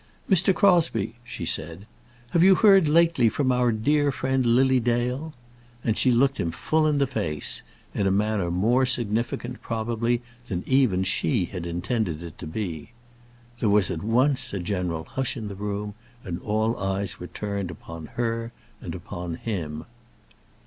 "Mr. Crosbie," she said, "have you heard lately from our dear friend, Lily Dale?" And she looked him full in the face, in a manner more significant, probably, than even she had intended it to be. There was, at once, a general hush in the room, and all eyes were turned upon her and upon him.